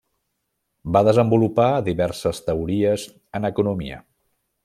Va desenvolupar diverses teories en economia.